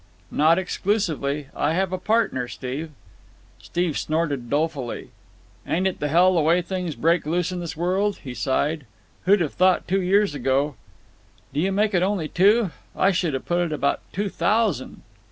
"Not exclusively. I have a partner, Steve." Steve snorted dolefully. "Ain't it hell the way things break loose in this world!" he sighed. "Who'd have thought two years ago——" "Do you make it only two? I should have put it at about two thousand."